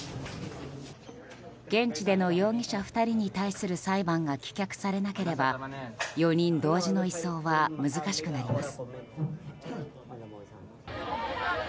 現地での容疑者２人に対する裁判が棄却されなければ４人同時の移送は難しくなります。